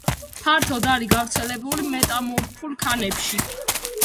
ფართოდ არის გავრცელებული მეტამორფულ ქანებში.